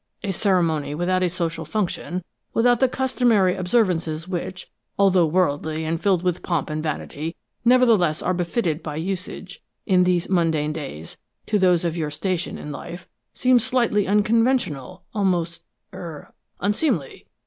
A ceremony without a social function, without the customary observances which, although worldly and filled with pomp and vanity, nevertheless are befitted by usage, in these mundane days, to those of your station in life, seems slightly unconventional, almost er unseemly."